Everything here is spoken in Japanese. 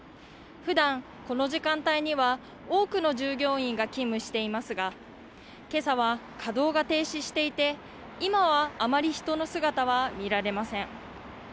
ふだん、この時間帯には、多くの従業員が勤務していますが、けさは稼働が停止していて、今はあまり人の姿は見られません。